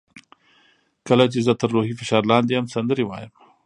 کله چې زه تر روحي فشار لاندې یم سندرې وایم.